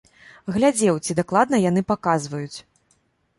Глядзеў, ці дакладна яны паказваюць.